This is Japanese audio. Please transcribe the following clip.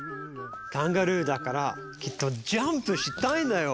カンガルーだからきっとジャンプしたいんだよ。